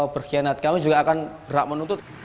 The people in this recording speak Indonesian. perkhianat kami juga akan berat menuntut